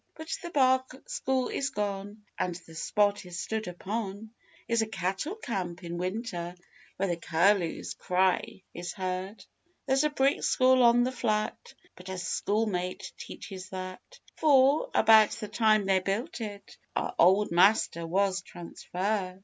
But the old bark school is gone, and the spot it stood upon Is a cattle camp in winter where the curlew's cry is heard; There's a brick school on the flat, but a schoolmate teaches that, For, about the time they built it, our old master was 'transferred.